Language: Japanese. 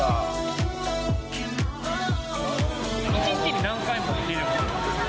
１日に何回も見れるんですか？